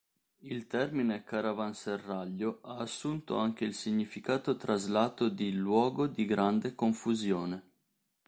Il termine caravanserraglio ha assunto anche il significato traslato di "luogo di grande confusione".